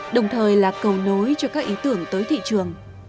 đồng thời là cầu nối cho các ý tưởng tới thị trường